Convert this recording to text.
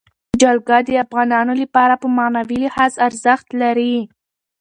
جلګه د افغانانو لپاره په معنوي لحاظ ارزښت لري.